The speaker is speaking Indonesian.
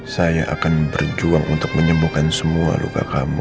saya akan berjuang untuk menyembuhkan semua luka kamu